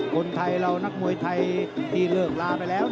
คนไทยเรานักมวยไทยที่เลิกลาไปแล้ว